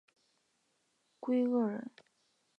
桂萼人。